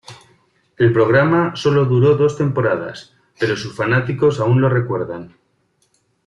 El programa sólo duró dos temporadas, pero sus fanáticos aún lo recuerdan.